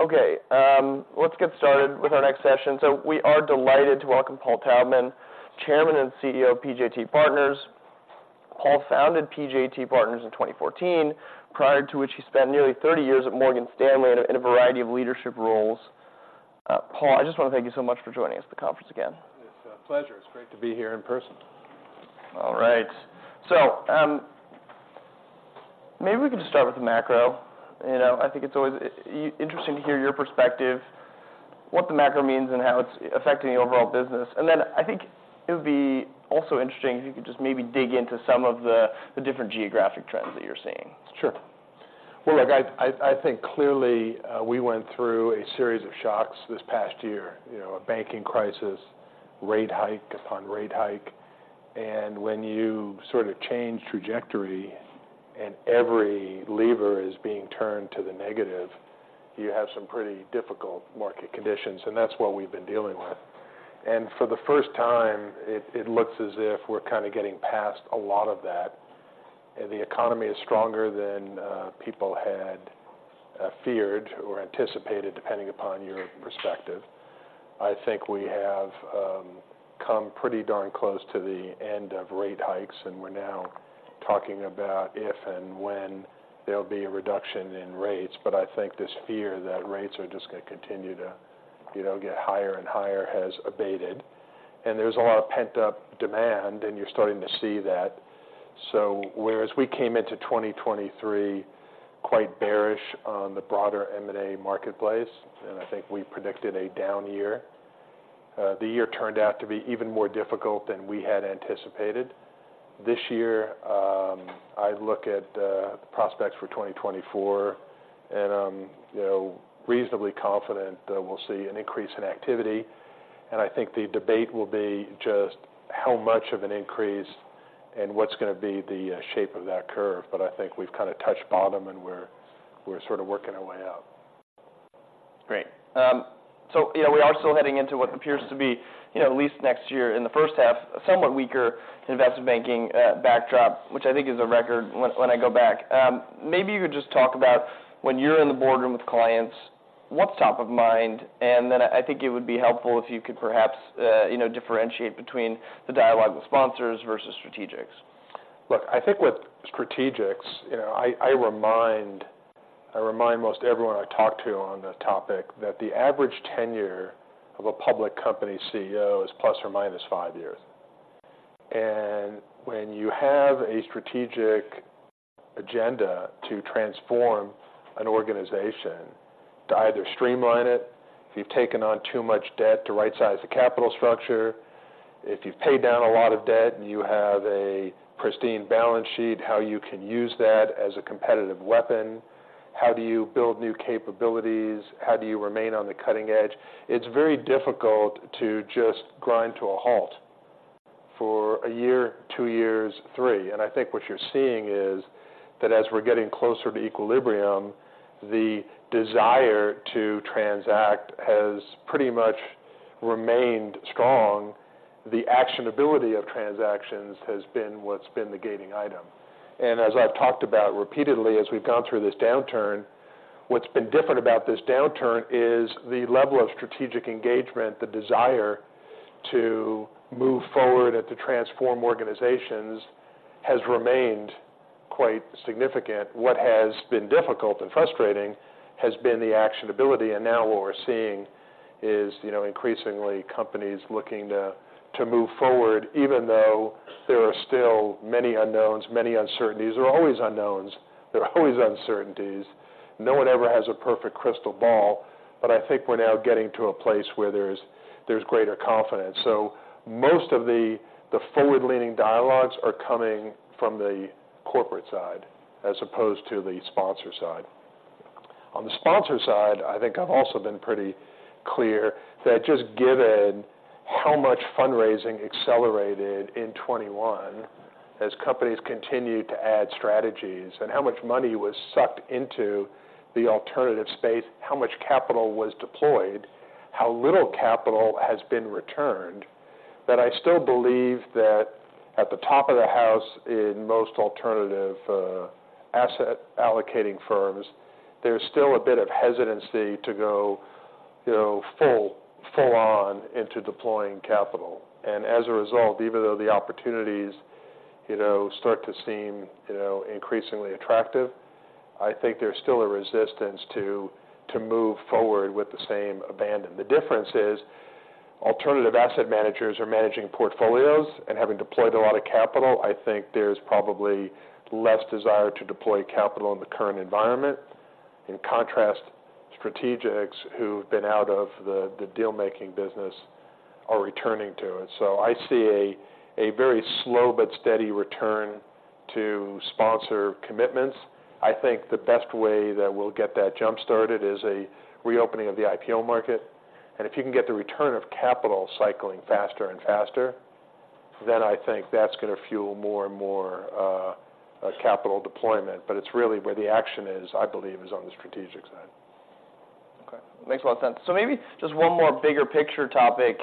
Okay, let's get started with our next session. We are delighted to welcome Paul Taubman, Chairman and CEO of PJT Partners. Paul founded PJT Partners in 2014, prior to which he spent nearly 30 years at Morgan Stanley in a variety of leadership roles. Paul, I just want to thank you so much for joining us at the conference again. It's a pleasure. It's great to be here in person. All right. So, maybe we can just start with the macro. You know, I think it's always interesting to hear your perspective, what the macro means, and how it's affecting the overall business. And then I think it would be also interesting if you could just maybe dig into some of the different geographic trends that you're seeing. Sure. Well, look, I think clearly, we went through a series of shocks this past year, you know, a banking crisis, rate hike upon rate hike. And when you sort of change trajectory and every lever is being turned to the negative, you have some pretty difficult market conditions, and that's what we've been dealing with. And for the first time, it looks as if we're kind of getting past a lot of that, and the economy is stronger than people had feared or anticipated, depending upon your perspective. I think we have come pretty darn close to the end of rate hikes, and we're now talking about if and when there'll be a reduction in rates. But I think this fear that rates are just gonna continue to, you know, get higher and higher has abated, and there's a lot of pent-up demand, and you're starting to see that. So whereas we came into 2023 quite bearish on the broader M&A marketplace, and I think we predicted a down year, the year turned out to be even more difficult than we had anticipated. This year, I look at the prospects for 2024, and I'm, you know, reasonably confident that we'll see an increase in activity. And I think the debate will be just how much of an increase and what's gonna be the shape of that curve. But I think we've kind of touched bottom, and we're sort of working our way out. Great. So, you know, we are still heading into what appears to be, you know, at least next year, in the first half, a somewhat weaker investment banking backdrop, which I think is a record when, when I go back. Maybe you could just talk about when you're in the boardroom with clients, what's top of mind? And then I, I think it would be helpful if you could perhaps, you know, differentiate between the dialogue with sponsors versus strategics. Look, I think with strategics, you know, I remind most everyone I talk to on the topic that the average tenure of a public company CEO is ±5 years. And when you have a strategic agenda to transform an organization, to either streamline it, if you've taken on too much debt, to rightsize the capital structure, if you've paid down a lot of debt and you have a pristine balance sheet, how you can use that as a competitive weapon? How do you build new capabilities? How do you remain on the cutting edge? It's very difficult to just grind to a halt for a year, 2 years, 3. And I think what you're seeing is that as we're getting closer to equilibrium, the desire to transact has pretty much remained strong. The actionability of transactions has been what's been the gating item. As I've talked about repeatedly as we've gone through this downturn, what's been different about this downturn is the level of strategic engagement. The desire to move forward and to transform organizations has remained quite significant. What has been difficult and frustrating has been the actionability, and now what we're seeing is, you know, increasingly, companies looking to, to move forward, even though there are still many unknowns, many uncertainties. There are always unknowns. There are always uncertainties. No one ever has a perfect crystal ball, but I think we're now getting to a place where there's, there's greater confidence. So most of the, the forward-leaning dialogues are coming from the corporate side as opposed to the sponsor side. On the sponsor side, I think I've also been pretty clear that just given how much fundraising accelerated in 2021, as companies continued to add strategies, and how much money was sucked into the alternative space, how much capital was deployed, how little capital has been returned, that I still believe that at the top of the house, in most alternative asset allocating firms, there's still a bit of hesitancy to go, you know, full, full on into deploying capital. And as a result, even though the opportunities, you know, start to seem, you know, increasingly attractive, I think there's still a resistance to, to move forward with the same abandon. The difference is, alternative asset managers are managing portfolios, and having deployed a lot of capital, I think there's probably less desire to deploy capital in the current environment. In contrast, strategics who've been out of the deal-making business are returning to it. So I see a very slow but steady return to sponsor commitments. I think the best way that we'll get that jump-started is a reopening of the IPO market. And if you can get the return of capital cycling faster and faster, then I think that's gonna fuel more and more capital deployment. But it's really where the action is, I believe, is on the strategic side. Okay, makes a lot of sense. So maybe just one more bigger picture topic,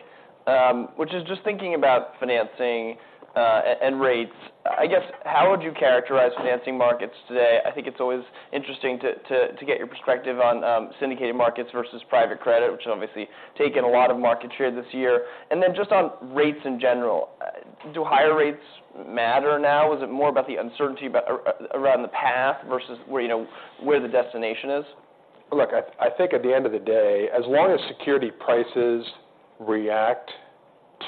which is just thinking about financing and rates. I guess, how would you characterize financing markets today? I think it's always interesting to get your perspective on syndicated markets versus private credit, which has obviously taken a lot of market share this year. And then just on rates in general, do higher rates matter now? Is it more about the uncertainty about around the path versus where, you know, where the destination is? Look, I think at the end of the day, as long as security prices react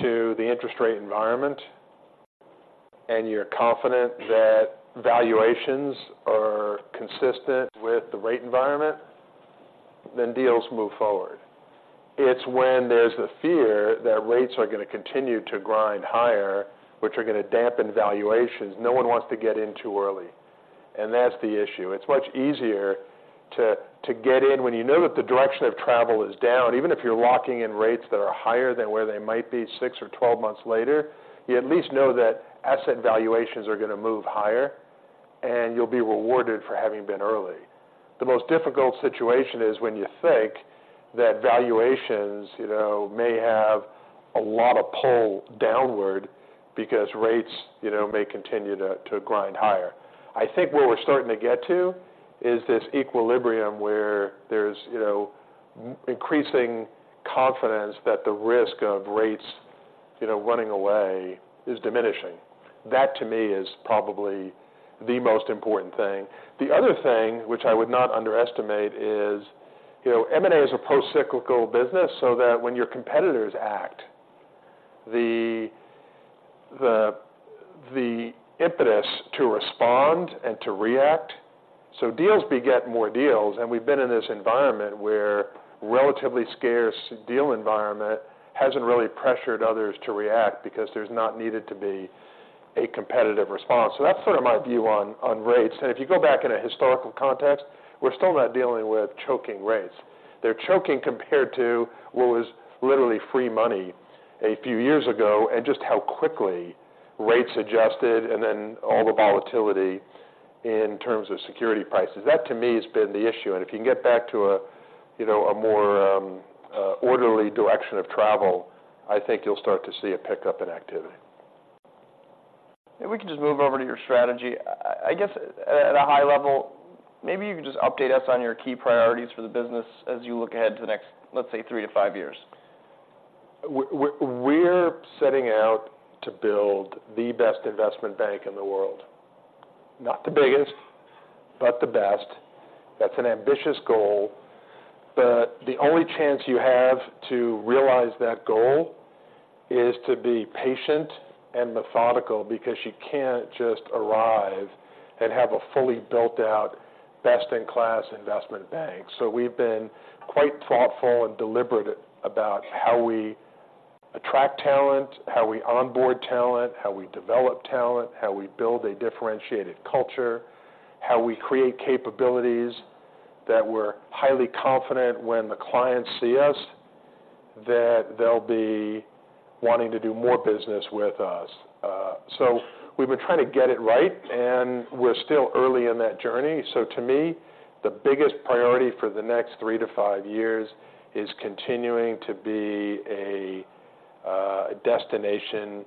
to the interest rate environment, and you're confident that valuations are consistent with the rate environment, then deals move forward. It's when there's the fear that rates are going to continue to grind higher, which are going to dampen valuations, no one wants to get in too early, and that's the issue. It's much easier to get in when you know that the direction of travel is down, even if you're locking in rates that are higher than where they might be six or 12 months later, you at least know that asset valuations are going to move higher, and you'll be rewarded for having been early. The most difficult situation is when you think that valuations, you know, may have a lot of pull downward because rates, you know, may continue to grind higher. I think where we're starting to get to is this equilibrium where there's, you know, increasing confidence that the risk of rates, you know, running away is diminishing. That, to me, is probably the most important thing. The other thing, which I would not underestimate, is, you know, M&A is a procyclical business, so that when your competitors act, the impetus to respond and to react. So deals beget more deals, and we've been in this environment where relatively scarce deal environment hasn't really pressured others to react because there's not needed to be a competitive response. So that's sort of my view on rates. If you go back in a historical context, we're still not dealing with choking rates. They're choking compared to what was literally free money a few years ago, and just how quickly rates adjusted and then all the volatility in terms of security prices. That, to me, has been the issue, and if you can get back to a, you know, a more orderly direction of travel, I think you'll start to see a pickup in activity. If we can just move over to your strategy. I guess at a high level, maybe you can just update us on your key priorities for the business as you look ahead to the next, let's say, three to five years. We're setting out to build the best investment bank in the world. Not the biggest, but the best. That's an ambitious goal, but the only chance you have to realize that goal is to be patient and methodical, because you can't just arrive and have a fully built-out, best-in-class investment bank. So we've been quite thoughtful and deliberate about how we attract talent, how we onboard talent, how we develop talent, how we build a differentiated culture, how we create capabilities, that we're highly confident when the clients see us, that they'll be wanting to do more business with us. So we've been trying to get it right, and we're still early in that journey. So to me, the biggest priority for the next 3-5 years is continuing to be a destination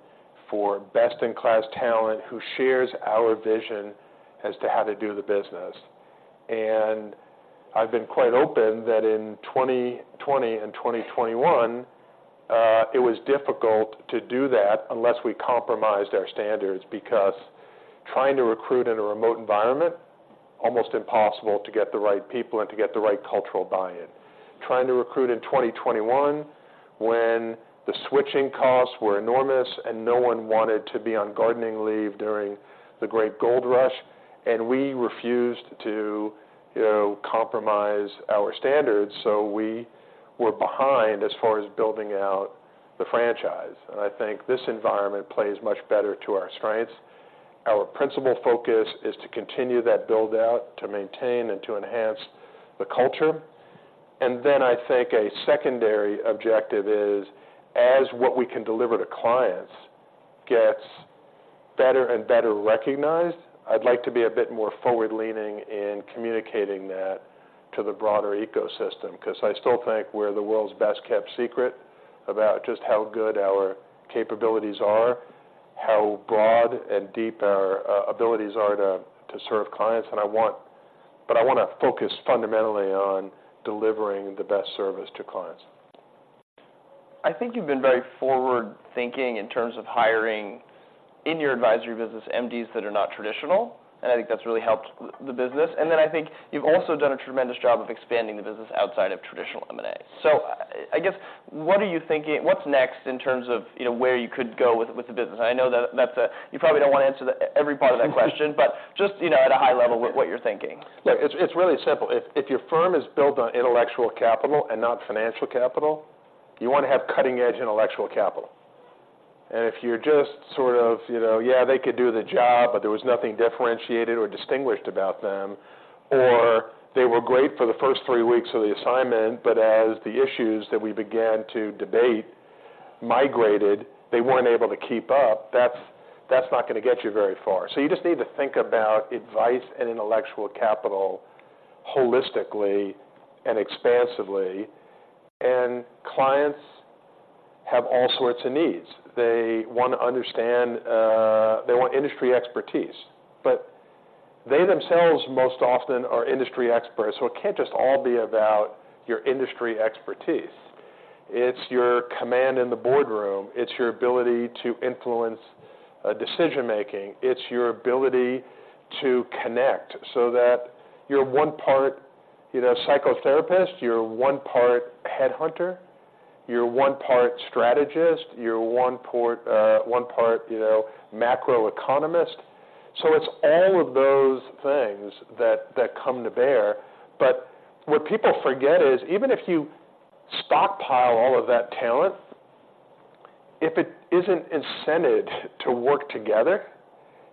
for best-in-class talent, who shares our vision as to how to do the business. And I've been quite open that in 2020 and 2021, it was difficult to do that unless we compromised our standards, because trying to recruit in a remote environment, almost impossible to get the right people and to get the right cultural buy-in. Trying to recruit in 2021, when the switching costs were enormous and no one wanted to be on gardening leave during the great gold rush, and we refused to, you know, compromise our standards, so we were behind as far as building out the franchise. And I think this environment plays much better to our strengths. Our principal focus is to continue that build-out, to maintain and to enhance the culture. And then I think a secondary objective is, as what we can deliver to clients gets better and better recognized, I'd like to be a bit more forward-leaning in communicating that to the broader ecosystem, 'cause I still think we're the world's best-kept secret about just how good our capabilities are, how broad and deep our abilities are to serve clients, and I want, but I want to focus fundamentally on delivering the best service to clients. I think you've been very forward-thinking in terms of hiring in your advisory business, MDs that are not traditional, and I think that's really helped the business. And then I think you've also done a tremendous job of expanding the business outside of traditional M&A. So I guess, what are you thinking? What's next in terms of, you know, where you could go with the business? I know that, that's a, you probably don't want to answer every part of that question, but just, you know, at a high level, what you're thinking. Yeah, it's, it's really simple. If, if your firm is built on intellectual capital and not financial capital, you want to have cutting-edge intellectual capital. And if you're just sort of, you know, "Yeah, they could do the job," but there was nothing differentiated or distinguished about them, or they were great for the first three weeks of the assignment, but as the issues that we began to debate migrated, they weren't able to keep up, that's, that's not gonna get you very far. So you just need to think about advice and intellectual capital holistically and expansively. And clients have all sorts of needs. They wanna understand, they want industry expertise, but they themselves most often are industry experts, so it can't just all be about your industry expertise. It's your command in the boardroom, it's your ability to influence decision-making, it's your ability to connect so that you're one part, you know, psychotherapist, you're one part headhunter, you're one part strategist, you're one part, you know, macroeconomist. So it's all of those things that come to bear. But what people forget is, even if you stockpile all of that talent, if it isn't incented to work together,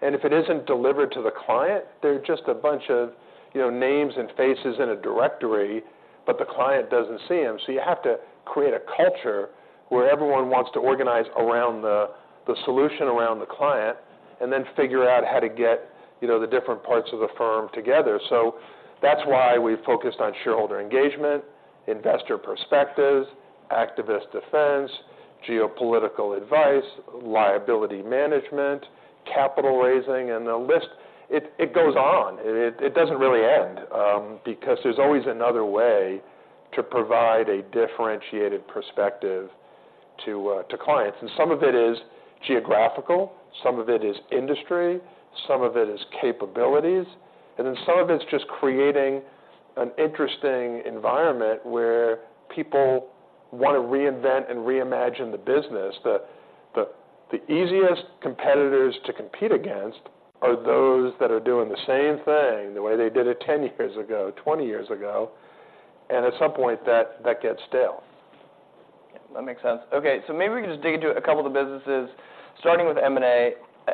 and if it isn't delivered to the client, they're just a bunch of, you know, names and faces in a directory, but the client doesn't see them. So you have to create a culture where everyone wants to organize around the solution around the client, and then figure out how to get, you know, the different parts of the firm together. So that's why we've focused on shareholder engagement, investor perspectives, activist defense, geopolitical advice, liability management, capital raising, and the list goes on. It doesn't really end, because there's always another way to provide a differentiated perspective to clients, and some of it is geographical, some of it is industry, some of it is capabilities, and then some of it's just creating an interesting environment where people wanna reinvent and reimagine the business. The easiest competitors to compete against are those that are doing the same thing, the way they did it 10 years ago, 20 years ago, and at some point, that gets stale. That makes sense. Okay, so maybe we can just dig into a couple of the businesses, starting with M&A.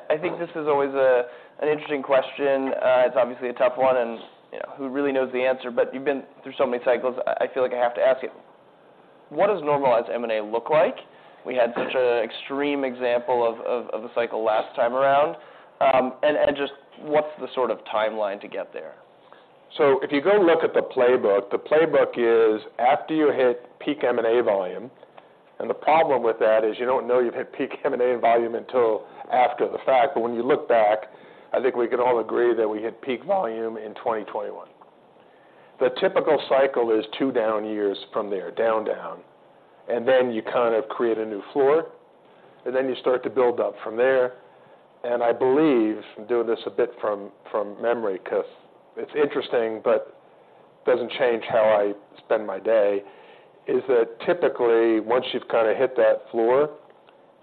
I think this is always an interesting question. It's obviously a tough one, and you know, who really knows the answer, but you've been through so many cycles. I feel like I have to ask you. What does normalized M&A look like? We had such an extreme example of the cycle last time around, and just what's the sort of timeline to get there? So if you go and look at the playbook, the playbook is after you hit peak M&A volume. The problem with that is you don't know you've hit peak M&A volume until after the fact, but when you look back, I think we can all agree that we hit peak volume in 2021. The typical cycle is two down years from there, down, down, and then you kind of create a new floor, and then you start to build up from there. I believe, I'm doing this a bit from memory, because it's interesting, but doesn't change how I spend my day, is that typically, once you've kind of hit that floor,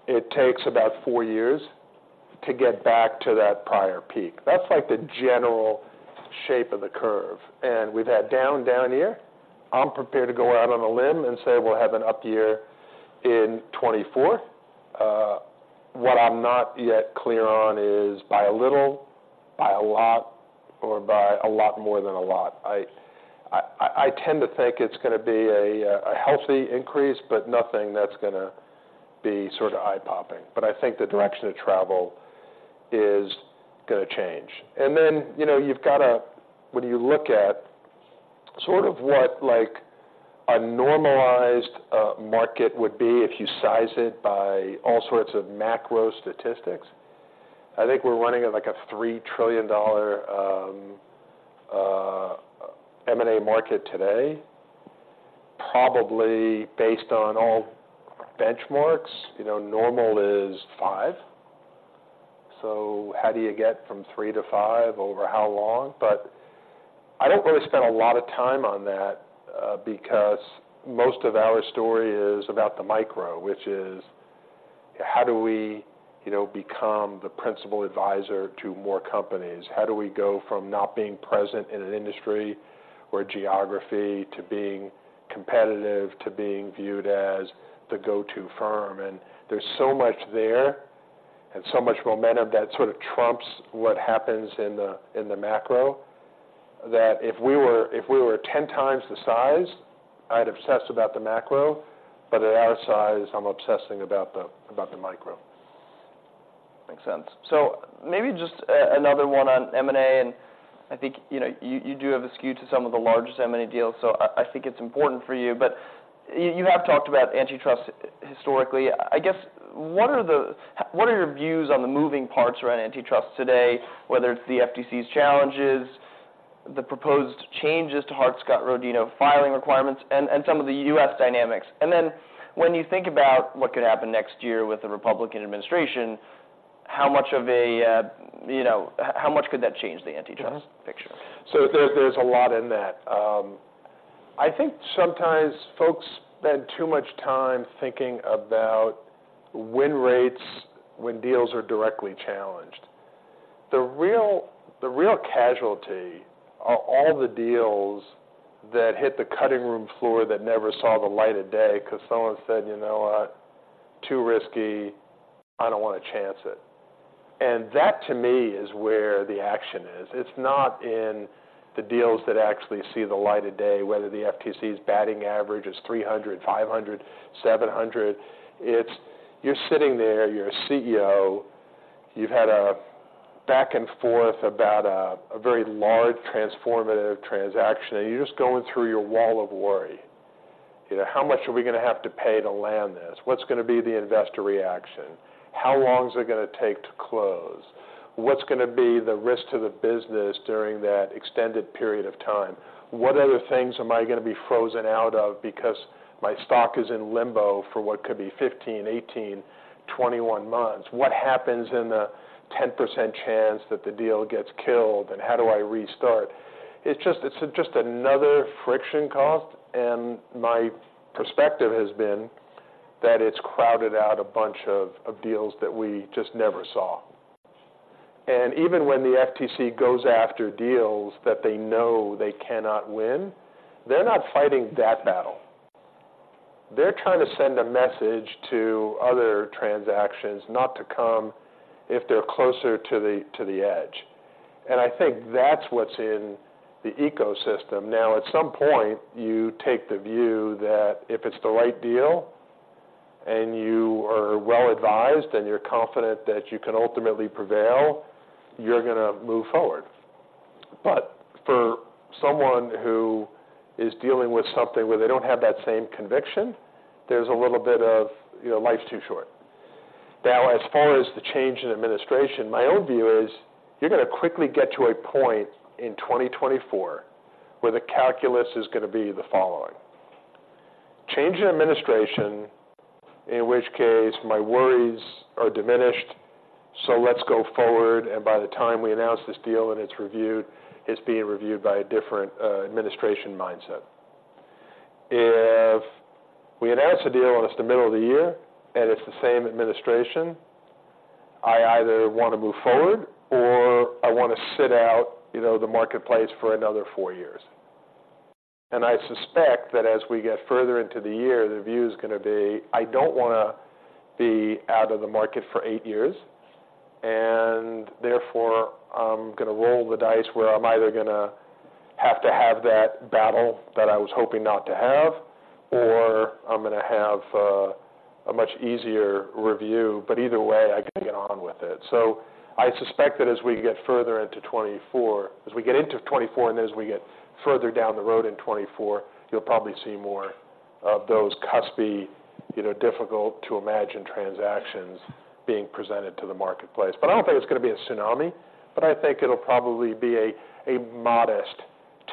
it takes about four years to get back to that prior peak. That's, like, the general shape of the curve. We've had down, down year. I'm prepared to go out on a limb and say we'll have an up year in 2024. What I'm not yet clear on is by a little, by a lot, or by a lot more than a lot. I tend to think it's gonna be a healthy increase, but nothing that's gonna be sort of eye-popping. But I think the direction of travel is gonna change. And then, you know, you've got to, when you look at sort of what, like, a normalized market would be, if you size it by all sorts of macro statistics, I think we're running at, like, a $3 trillion M&A market today. Probably, based on all benchmarks, you know, normal is $5 trillion. So how do you get from 3 to 5? Over how long? But I don't really spend a lot of time on that, because most of our story is about the micro, which is: How do we, you know, become the principal advisor to more companies? How do we go from not being present in an industry or geography to being competitive, to being viewed as the go-to firm? And there's so much there and so much momentum that sort of trumps what happens in the macro, that if we were, if we were ten times the size, I'd obsess about the macro, but at our size, I'm obsessing about the micro. Makes sense. So maybe just another one on M&A, and I think, you know, you do have a skew to some of the largest M&A deals, so I think it's important for you. But you have talked about antitrust historically. I guess, what are your views on the moving parts around antitrust today, whether it's the FTC's challenges, the proposed changes to Hart-Scott-Rodino filing requirements, and some of the U.S. dynamics? And then, when you think about what could happen next year with the Republican administration, how much of a, you know, how much could that change the antitrust picture? So there's a lot in that. I think sometimes folks spend too much time thinking about win rates when deals are directly challenged. The real casualty are all the deals that hit the cutting room floor that never saw the light of day because someone said, "You know what? Too risky. I don't want to chance it." And that, to me, is where the action is. It's not in the deals that actually see the light of day, whether the FTC's batting average is 0.300, 0.500, 0.700. It's You're sitting there, you're a CEO, you've had a back and forth about a very large transformative transaction, and you're just going through your wall of worry. You know, how much are we gonna have to pay to land this? What's gonna be the investor reaction? How long is it gonna take to close? What's gonna be the risk to the business during that extended period of time? What other things am I gonna be frozen out of because my stock is in limbo for what could be 15, 18, 21 months? What happens in the 10% chance that the deal gets killed, and how do I restart? It's just, it's just another friction cost, and my perspective has been that it's crowded out a bunch of, of deals that we just never saw. And even when the FTC goes after deals that they know they cannot win, they're not fighting that battle. They're trying to send a message to other transactions not to come if they're closer to the, to the edge. And I think that's what's in the ecosystem. Now, at some point, you take the view that if it's the right deal and you are well advised, and you're confident that you can ultimately prevail, you're gonna move forward. But for someone who is dealing with something where they don't have that same conviction, there's a little bit of, you know, life's too short. Now, as far as the change in administration, my own view is you're gonna quickly get to a point in 2024, where the calculus is gonna be the following: Change in administration, in which case my worries are diminished, so let's go forward, and by the time we announce this deal and it's reviewed, it's being reviewed by a different administration mindset. If we announce a deal and it's the middle of the year and it's the same administration, I either wanna move forward or I wanna sit out, you know, the marketplace for another four years. And I suspect that as we get further into the year, the view is gonna be, I don't wanna be out of the market for eight years, and therefore, I'm gonna roll the dice where I'm either gonna have to have that battle that I was hoping not to have, or I'm gonna have, a much easier review, but either way, I can get on with it. So I suspect that as we get further into 2024— as we get into 2024, and as we get further down the road in 2024, you'll probably see more of those cuspy, you know, difficult-to-imagine transactions being presented to the marketplace. But I don't think it's gonna be a tsunami, but I think it'll probably be a modest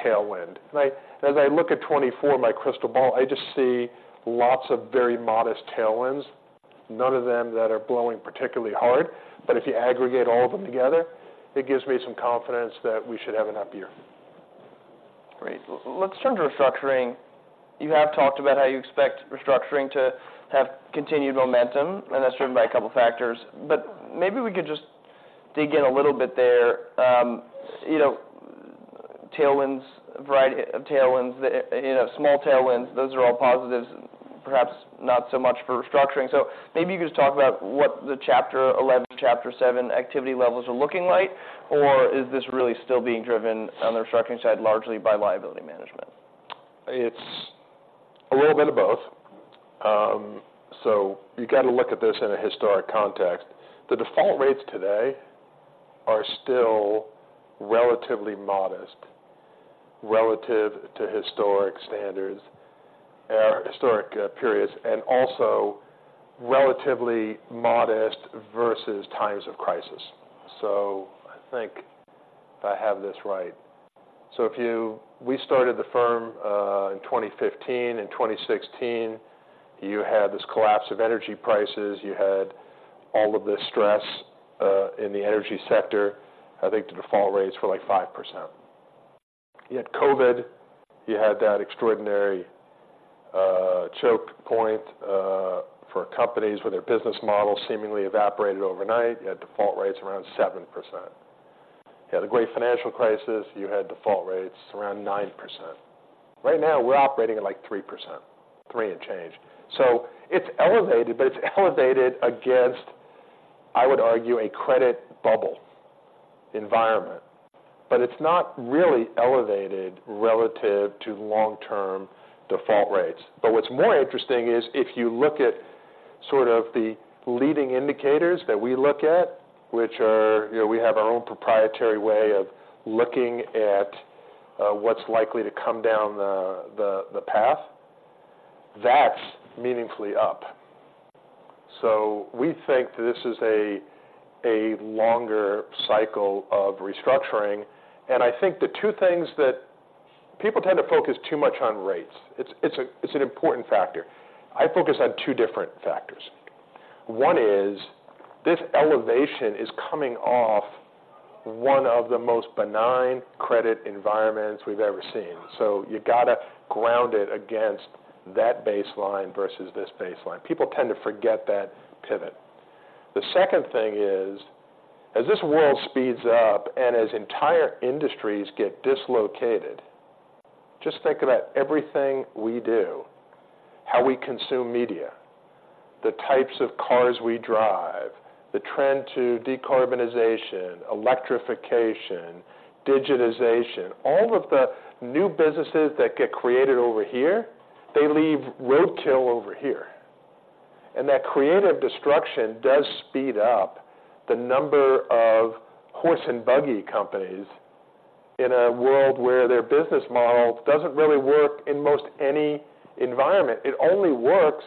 tailwind. And as I look at 2024, my crystal ball, I just see lots of very modest tailwinds, none of them that are blowing particularly hard, but if you aggregate all of them together, it gives me some confidence that we should have an up year. Great. Let's turn to restructuring. You have talked about how you expect restructuring to have continued momentum, and that's driven by a couple of factors, but maybe we could just dig in a little bit there. You know, tailwinds, a variety of tailwinds, you know, small tailwinds, those are all positives, perhaps not so much for restructuring. So maybe you could just talk about what the Chapter 11, Chapter 7 activity levels are looking like, or is this really still being driven on the restructuring side largely by liability management? It's a little bit of both. So you got to look at this in a historic context. The default rates today are still relatively modest relative to historic standards or historic periods, and also relatively modest versus times of crisis. So I think I have this right. So we started the firm in 2015. In 2016, you had this collapse of energy prices. You had all of this stress in the energy sector. I think the default rates were, like, 5%. You had COVID, you had that extraordinary choke point for companies where their business model seemingly evaporated overnight. You had default rates around 7%. You had the great financial crisis, you had default rates around 9%. Right now, we're operating at, like, 3%, 3 and change. So it's elevated, but it's elevated against, I would argue, a credit bubble environment, but it's not really elevated relative to long-term default rates. But what's more interesting is if you look at sort of the leading indicators that we look at, which are, you know, we have our own proprietary way of looking at, what's likely to come down the path, that's meaningfully up. So we think this is a longer cycle of restructuring, and I think the two things that... People tend to focus too much on rates. It's an important factor. I focus on two different factors. One is, this elevation is coming off one of the most benign credit environments we've ever seen. So you got to ground it against that baseline versus this baseline. People tend to forget that pivot. The second thing is, as this world speeds up and as entire industries get dislocated... Just think about everything we do, how we consume media, the types of cars we drive, the trend to decarbonization, electrification, digitization, all of the new businesses that get created over here, they leave roadkill over here. And that creative destruction does speed up the number of horse and buggy companies in a world where their business model doesn't really work in most any environment. It only works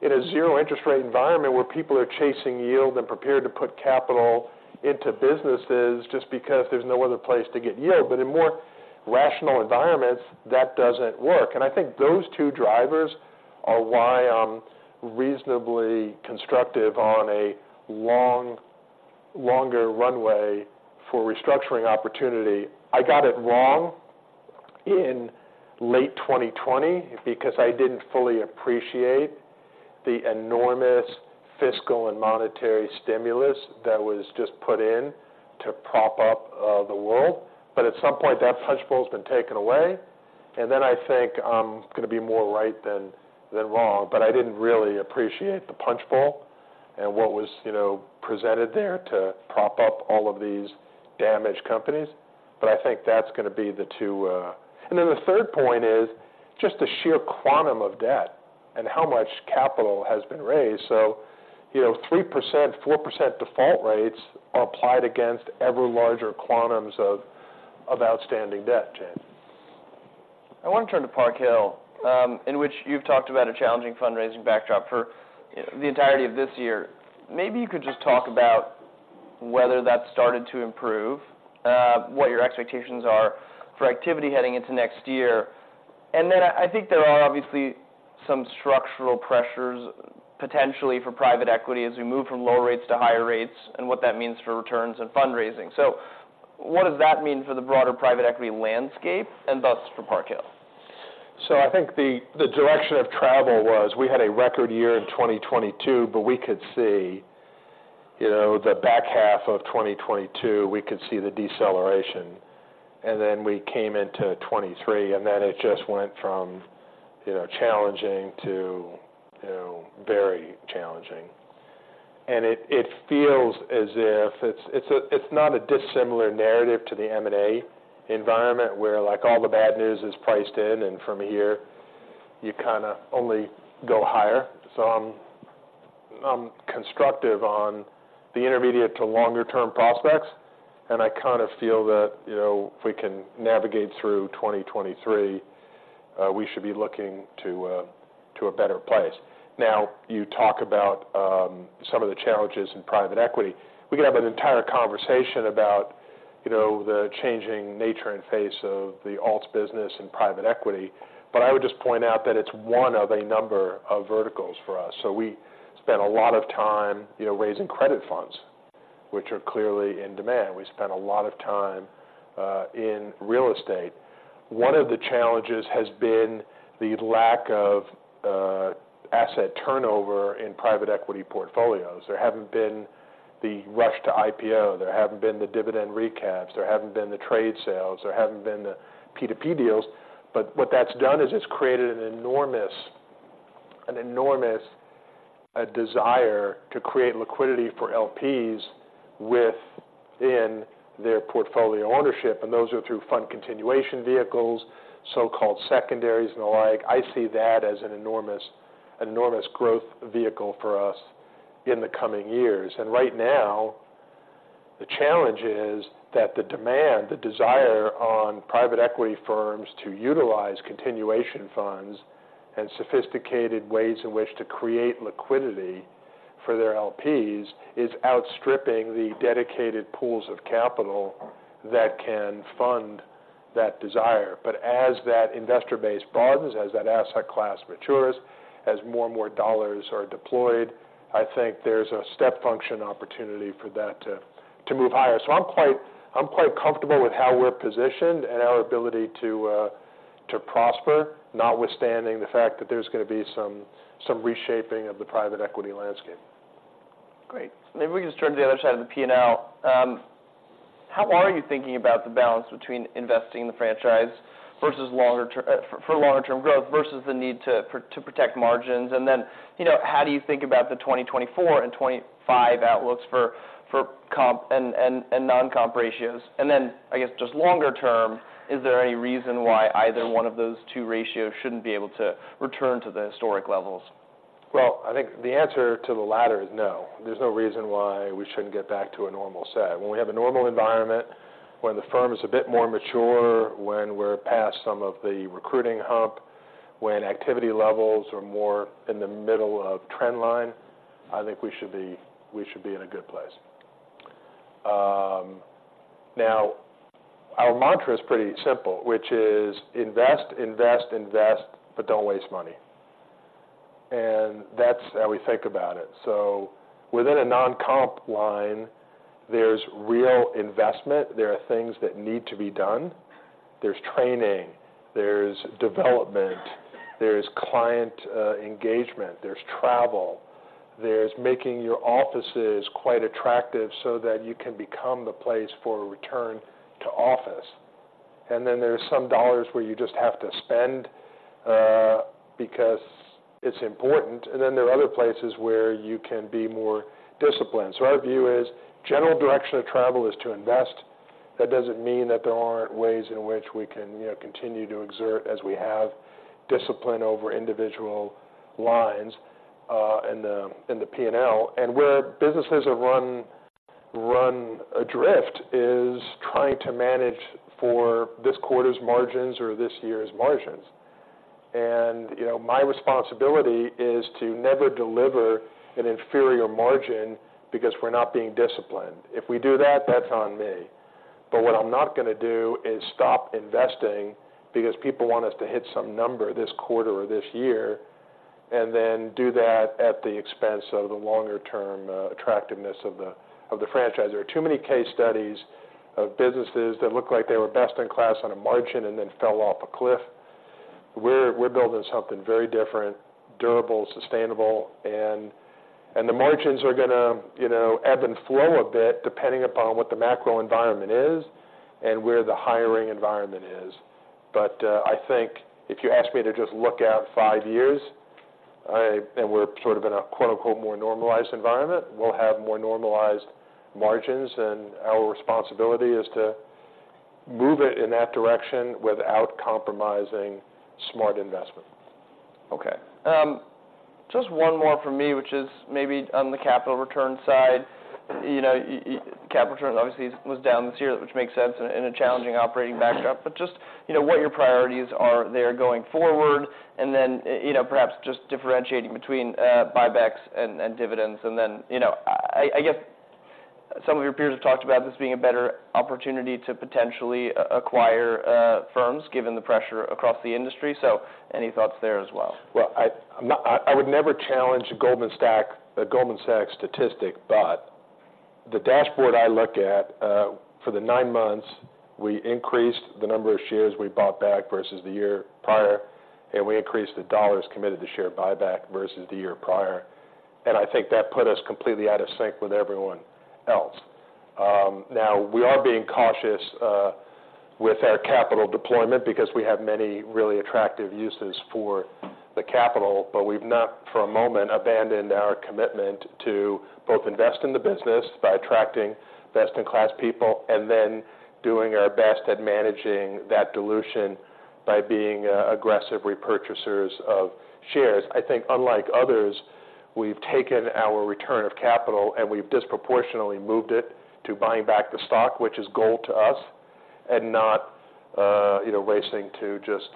in a zero interest rate environment, where people are chasing yield and prepared to put capital into businesses just because there's no other place to get yield. But in more rational environments, that doesn't work. And I think those two drivers are why I'm reasonably constructive on a longer runway for restructuring opportunity. I got it wrong in late 2020 because I didn't fully appreciate the enormous fiscal and monetary stimulus that was just put in to prop up the world. But at some point, that punch bowl has been taken away, and then I think I'm gonna be more right than wrong. But I didn't really appreciate the punch bowl and what was, you know, presented there to prop up all of these damaged companies. But I think that's gonna be the two. And then the third point is just the sheer quantum of debt and how much capital has been raised. So, you know, 3%, 4% default rates are applied against ever larger quantums of outstanding debt, James. I want to turn to Park Hill, in which you've talked about a challenging fundraising backdrop for the entirety of this year. Maybe you could just talk about whether that started to improve, what your expectations are for activity heading into next year. And then I think there are obviously some structural pressures potentially for private equity as we move from lower rates to higher rates, and what that means for returns and fundraising. So what does that mean for the broader private equity landscape and thus for Park Hill? So I think the direction of travel was we had a record year in 2022, but we could see, you know, the back half of 2022, we could see the deceleration, and then we came into 2023, and then it just went from, you know, challenging to, you know, very challenging. And it feels as if it's not a dissimilar narrative to the M&A environment, where, like, all the bad news is priced in, and from here, you kind of only go higher. So I'm constructive on the intermediate to longer term prospects, and I kind of feel that, you know, if we can navigate through 2023, we should be looking to a better place. Now, you talk about some of the challenges in private equity. We could have an entire conversation about, you know, the changing nature and face of the alts business and private equity, but I would just point out that it's one of a number of verticals for us. So we spend a lot of time, you know, raising credit funds, which are clearly in demand. We spend a lot of time in real estate. One of the challenges has been the lack of asset turnover in private equity portfolios. There haven't been the rush to IPO, there haven't been the dividend recaps, there haven't been the trade sales, there haven't been the P2P deals, but what that's done is it's created an enormous, an enormous desire to create liquidity for LPs within their portfolio ownership, and those are through fund continuation vehicles, so-called secondaries and the like. I see that as an enormous, enormous growth vehicle for us in the coming years. Right now, the challenge is that the demand, the desire on private equity firms to utilize continuation funds and sophisticated ways in which to create liquidity for their LPs, is outstripping the dedicated pools of capital that can fund that desire. As that investor base broadens, as that asset class matures, as more and more dollars are deployed, I think there's a step function opportunity for that to, to move higher. I'm quite, I'm quite comfortable with how we're positioned and our ability to, to prosper, notwithstanding the fact that there's gonna be some, some reshaping of the private equity landscape. Great. Maybe we can just turn to the other side of the P&L. How are you thinking about the balance between investing in the franchise versus longer-term growth versus the need to protect margins? And then, you know, how do you think about the 2024 and 2025 outlooks for comp and non-comp ratios? And then, I guess, just longer term, is there any reason why either one of those two ratios shouldn't be able to return to the historic levels? Well, I think the answer to the latter is no. There's no reason why we shouldn't get back to a normal set. When we have a normal environment, when the firm is a bit more mature, when we're past some of the recruiting hump, when activity levels are more in the middle of trend line, I think we should be, we should be in a good place. Now, our mantra is pretty simple, which is: invest, invest, invest, but don't waste money. And that's how we think about it. So within a non-comp line, there's real investment. There are things that need to be done. There's training, there's development, there's client engagement, there's travel.... there's making your offices quite attractive so that you can become the place for a return to office. And then there's some dollars where you just have to spend, because it's important, and then there are other places where you can be more disciplined. So our view is general direction of travel is to invest. That doesn't mean that there aren't ways in which we can, you know, continue to exert, as we have, discipline over individual lines, in the P&L. And where businesses are run adrift is trying to manage for this quarter's margins or this year's margins. And, you know, my responsibility is to never deliver an inferior margin because we're not being disciplined. If we do that, that's on me. But what I'm not gonna do is stop investing because people want us to hit some number this quarter or this year, and then do that at the expense of the longer-term, attractiveness of the franchise. There are too many case studies of businesses that look like they were best in class on a margin and then fell off a cliff. We're building something very different, durable, sustainable, and the margins are gonna, you know, ebb and flow a bit, depending upon what the macro environment is and where the hiring environment is. But I think if you ask me to just look out five years, and we're sort of in a, quote, unquote, "more normalized environment," we'll have more normalized margins, and our responsibility is to move it in that direction without compromising smart investment. Okay. Just one more from me, which is maybe on the capital return side. You know, capital return obviously was down this year, which makes sense in a challenging operating backdrop. But just, you know, what your priorities are there going forward, and then, you know, perhaps just differentiating between buybacks and dividends. And then, you know, I guess some of your peers have talked about this being a better opportunity to potentially acquire firms, given the pressure across the industry. So any thoughts there as well? Well, I'm not-- I would never challenge a Goldman Sachs statistic, but the dashboard I look at for the nine months, we increased the number of shares we bought back versus the year prior, and we increased the dollars committed to share buyback versus the year prior. And I think that put us completely out of sync with everyone else. Now, we are being cautious with our capital deployment because we have many really attractive uses for the capital, but we've not, for a moment, abandoned our commitment to both invest in the business by attracting best-in-class people and then doing our best at managing that dilution by being aggressive repurchasers of shares. I think, unlike others, we've taken our return of capital, and we've disproportionately moved it to buying back the stock, which is gold to us, and not, you know, racing to just,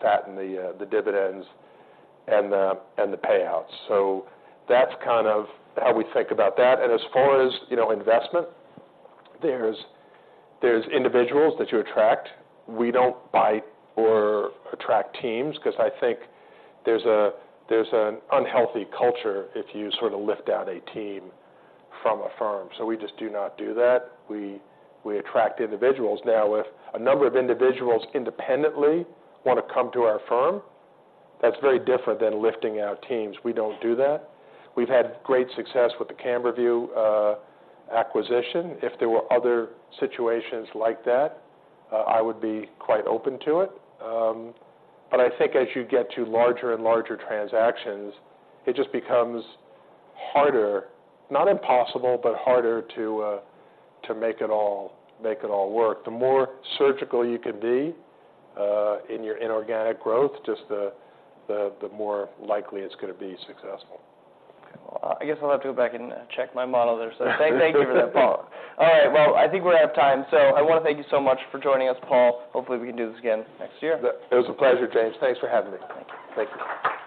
fatten the, the dividends and the, and the payouts. So that's kind of how we think about that. And as far as, you know, investment, there's, there's individuals that you attract. We don't buy or attract teams because I think there's an unhealthy culture if you sort of lift out a team from a firm. So we just do not do that. We, we attract individuals. Now, if a number of individuals independently want to come to our firm, that's very different than lifting out teams. We don't do that. We've had great success with the CamberView acquisition. If there were other situations like that, I would be quite open to it. But I think as you get to larger and larger transactions, it just becomes harder, not impossible, but harder to to make it all, make it all work. The more surgical you can be in your inorganic growth, just the more likely it's gonna be successful. Well, I guess I'll have to go back and check my model there. So thank you for that, Paul. All right, well, I think we're out of time, so I want to thank you so much for joining us, Paul. Hopefully, we can do this again next year. It was a pleasure, James. Thanks for having me. Thank you. Thank you.